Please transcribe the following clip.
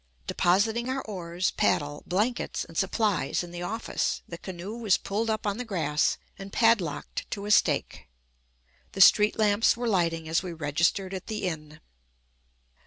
Depositing our oars, paddle, blankets, and supplies in the office, the canoe was pulled up on the grass and padlocked to a stake. The street lamps were lighting as we registered at the inn.